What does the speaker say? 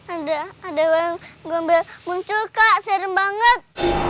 ada ada yang muncul kak seru banget